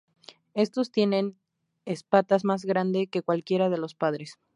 Estos tienen espatas más grande que cualquiera de los padres.